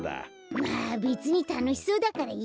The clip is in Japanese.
まあべつにたのしそうだからいいか！